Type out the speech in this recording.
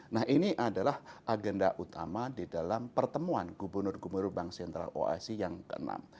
nah ini adalah agenda utama di dalam pertemuan gubernur gubernur bank sentral osc yang ke enam